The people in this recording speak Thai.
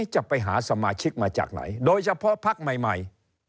จะไปหาสมาชิกมาจากไหนโดยเฉพาะพักใหม่